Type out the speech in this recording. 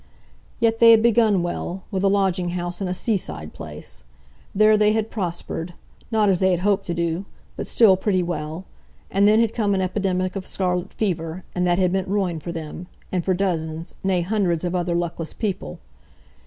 Yet they had begun well, with a lodging house in a seaside place. There they had prospered, not as they had hoped to do, but still pretty well; and then had come an epidemic of scarlet fever, and that had meant ruin for them, and for dozens, nay, hundreds, of other luckless people.